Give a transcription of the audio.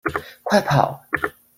快跑！